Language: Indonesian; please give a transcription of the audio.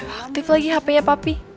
gak aktif lagi hpnya papi